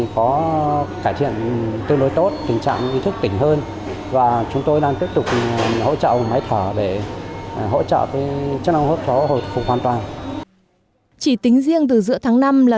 chỉ tính riêng từ giữa tháng năm là